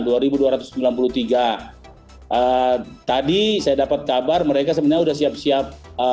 tadi saya dapat kabar mereka sebenarnya sudah siap siap